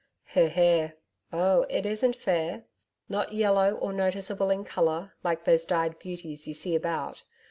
'Her hair oh, it isn't fair not yellow or noticeable in colour like those dyed beauties you see about.